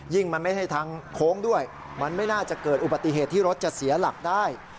มันไม่ใช่ทางโค้งด้วยมันไม่น่าจะเกิดอุบัติเหตุที่รถจะเสียหลักได้